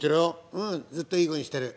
「うんずっといい子にしてる。